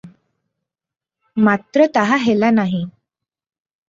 ମାତ୍ର ତାହା ହେଲା ନାହିଁ ।